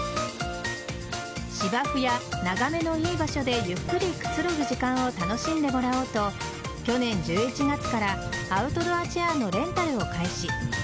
芝生や眺めの良い場所でゆっくりくつろぐ時間を楽しんでもらおうと去年１１月からアウトドアチェアのレンタルを開始。